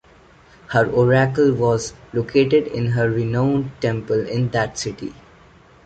Her oracle was located in her renowned temple in that city.